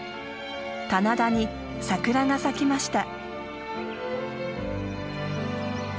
棚田に桜が咲きました。